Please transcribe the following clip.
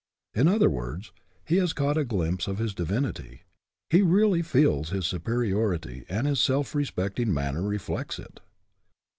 In other words, he has caught a glimpse of his divinity; he really feels his superiority, and his self respect ing manner reflects it.